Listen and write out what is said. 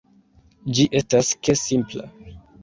Ĝi estas ke simpla.